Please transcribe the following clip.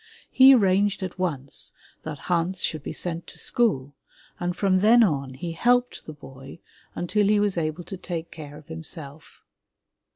He arranged at once that Hans should be sent to school, and from then on he helped the boy until he was able to take care of himself.